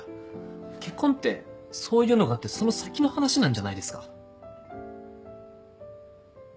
結婚ってそういうのがあってその先の話なんじゃないですか？